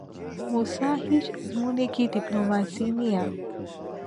مووسا هیچ ئەزموونێکی دیپلۆماسی نییە.